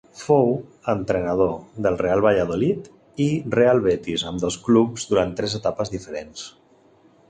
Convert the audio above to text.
Fou entrenador del Real Valladolid i Real Betis, ambdós clubs durant tres etapes diferents.